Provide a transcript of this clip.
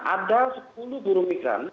ada sepuluh buru migran